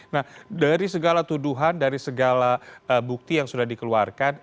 nah dari segala tuduhan dari segala bukti yang sudah dikeluarkan